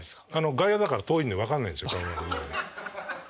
外野だから遠いんで分かんないんですよ。